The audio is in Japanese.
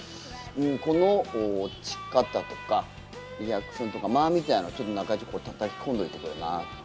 この落ち方とかリアクションとか間みたいなのちょっと中居たたき込んどいてくれな。